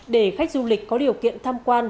để khách du lịch có điều kiện tham quan